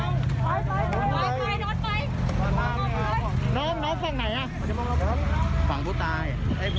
นี่เขาตายพี่ชาย